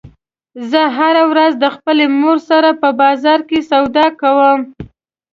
زه هره ورځ د خپلې مور سره په بازار کې سودا کوم